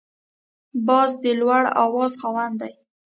باز د لوړ اواز خاوند دی